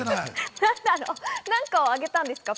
何かをあげたんですか？